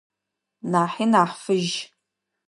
Нахьи нахь фыжь.